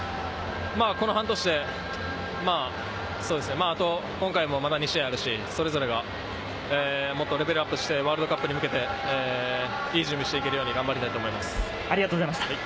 この半年で今回もまだ２試合あるし、それぞれがもっとレベルアップして、ワールドカップに向けて、いい準備をしていけるように頑張りたいと思います。